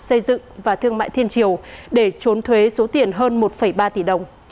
xây dựng và thương mại thiên triều để trốn thuế số tiền hơn một ba tỷ đồng